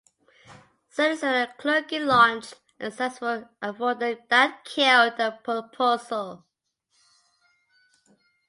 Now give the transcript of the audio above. Citizens and clergy launched a successful effort that killed the proposal.